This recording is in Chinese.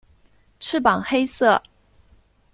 翅膀黑色。